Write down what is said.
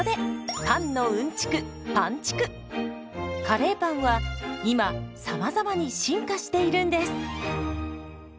カレーパンは今さまざまに進化しているんです。